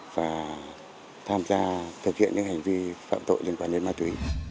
và tham gia thực hiện những hành vi phạm tội liên quan đến ma túy